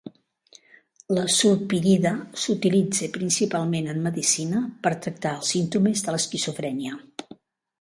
La sulpirida s'utilitza principalment en medicina per tractar els símptomes de l'esquizofrènia.